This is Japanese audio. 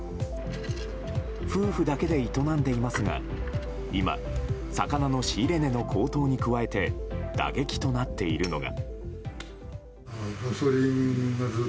夫婦だけで営んでいますが今、魚の仕入れ値の高騰に加えて打撃となっているのが。